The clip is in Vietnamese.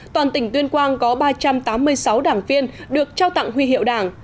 toàn tỉnh tuyên quang có ba trăm tám mươi sáu đảng viên được trao tặng huy hiệu đảng